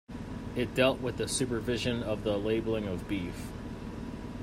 It dealt with the supervision of the labeling of beef.